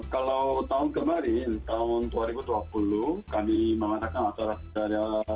kalau tahun kemarin tahun dua ribu dua puluh kami mengatakan atau secara duri